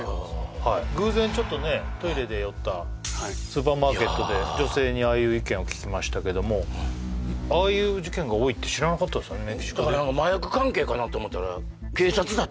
偶然ちょっとねトイレで寄ったスーパーマーケットで女性にああいう意見を聞きましたけどもああいう事件が多いって知らなかったですよね